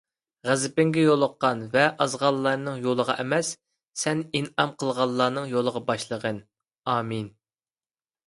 غەزىپىڭگە يولۇققان ۋە ئازغانلارنىڭ يولىغا ئەمەس سەن ئىنئام قىلغانلارنىڭ يولىغا باشلىغان.ئامىن